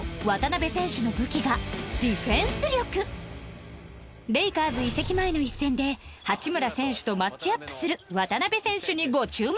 一方レイカーズ移籍前の一戦で八村選手とマッチアップする渡邊選手にご注目